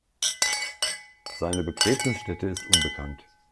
Seine Begräbnisstätte ist unbekannt.